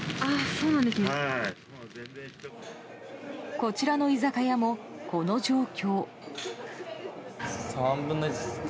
こちらの居酒屋も、この状況。